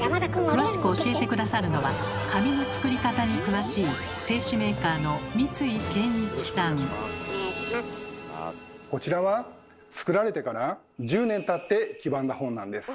詳しく教えて下さるのは紙の作り方に詳しいこちらは作られてから１０年たって黄ばんだ本なんです。